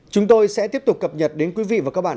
chúng tôi sẽ tiếp tục cập nhật đến quý vị và các bạn